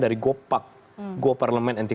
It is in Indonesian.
dari gopak goa parlemen anti